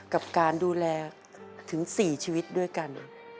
กับการดูแลถึง๔ชีวิตด้วยกัน